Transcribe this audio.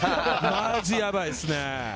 マジやばいっすね。